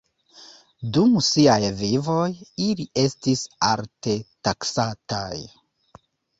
Dum siaj vivoj, ili estis alte taksataj.